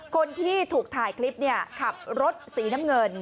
คนที่ถูกถ่ายคลิปขับรถสีน้ำเงิน